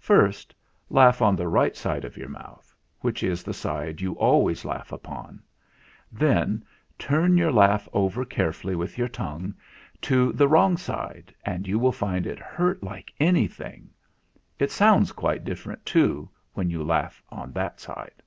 First laugh on the right side of your mouth, which is the side you always laugh upon; then turn your laugh over carefully with your tongue to the wrong side, and you will find it hurt like any thing. It sounds quite different, too, when you laugh on that side.